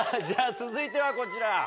じゃあ続いてはこちら！